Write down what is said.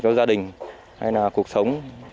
cho gia đình hay là cuộc sống